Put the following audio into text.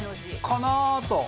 かなと。